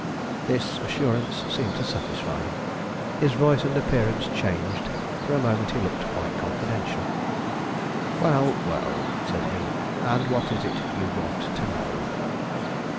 This assurance seemed to satisfy him. His voice and appearance changed; for a moment he looked quite confidential. "Well, well," said he; "and what is it you want to know?"